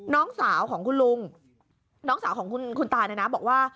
น้องสาวของคุณลุงน้องสาวของคุณตาเนี่ยนะบอกว่า